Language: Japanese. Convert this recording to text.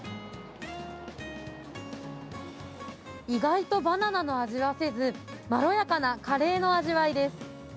意外とバナナの味はせず、まろやかなカレーの味わいです。